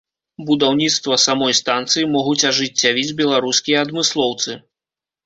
Будаўніцтва самой станцыі могуць ажыццявіць беларускія адмыслоўцы.